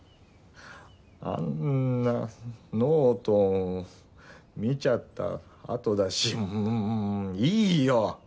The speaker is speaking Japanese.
あんなノート見ちゃったあとだしもういいよ！